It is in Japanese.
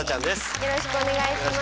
よろしくお願いします。